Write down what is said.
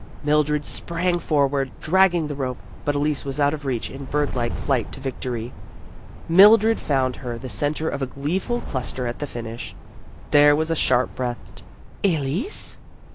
Mildred sprang forward, dragging the rope, but Elise was out of reach in bird like flight to victory. Mildred found her the centre of a glee ful cluster at the finish. There was a sharp breathed " Elise